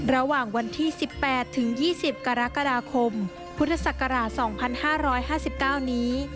ระหว่างวันที่๑๘ถึง๒๐กรกฎาคมพุทธศักราช๒๕๕๙นี้